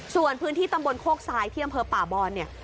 ส่วนพื้นที่ตำบลโคกทรายที่อำเภอป่าบอนเนี่ย